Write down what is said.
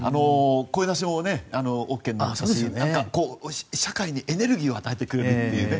声出しもＯＫになりましたし社会にエネルギーを与えてくれるというね